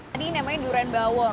ini namanya durian bawor